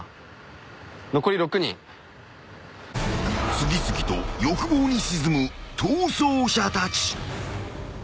［次々と欲望に沈む逃走者たち］